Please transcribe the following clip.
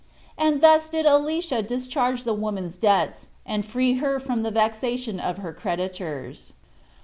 And thus did Elisha discharge the woman's debts, and free her from the vexation of her creditors.